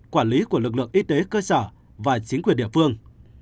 quản lý của lực lượng y tế cơ sở và chính quyền địa phương